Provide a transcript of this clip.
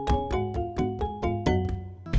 enggak sampai tujuan